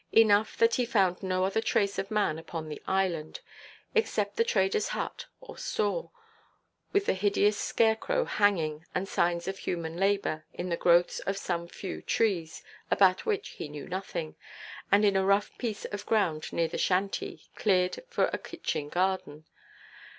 Enough that he found no other trace of man upon the island, except the traderʼs hut, or store, with the hideous scarecrow hanging, and signs of human labour, in the growth of some few trees—about which he knew nothing—and in a rough piece of ground near the shanty, cleared for a kitchen–garden.